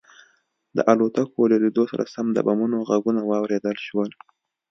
د الوتکو له لیدو سره سم د بمونو غږونه واورېدل شول